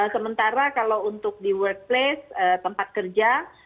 sementara kalau untuk di worldplace tempat kerja